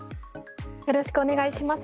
よろしくお願いします。